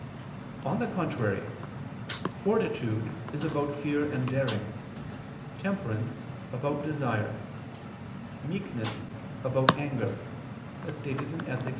On the contrary, Fortitude is about fear and daring; temperance about desire; meekness about anger; as stated in _Ethic.